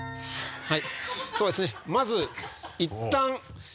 そうですねまずいったん。